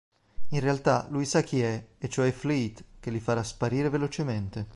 In realtà lui sa chi è, e cioè Fleet, che li farà sparire velocemente.